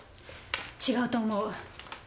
違うと思う。